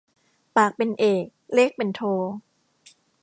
ปากเป็นเอกเลขเป็นโท